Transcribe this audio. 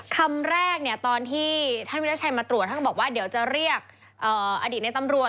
คำแรกตอนที่ท่านวิราชัยมาตรวจท่านก็บอกว่าเดี๋ยวจะเรียกอดีตในตำรวจ